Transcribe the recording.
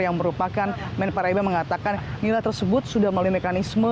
yang merupakan men para iba mengatakan nilai tersebut sudah melalui mekanisme